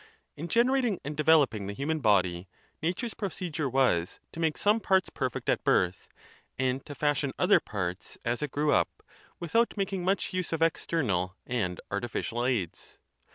In generating and developing the human body. Nature's procedure was to make some parts perfect at birth, and to fashion other parts as it grew up, without making much use of external and artificial aids.